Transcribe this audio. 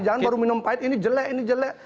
jangan baru minum pahit ini jelek ini jelek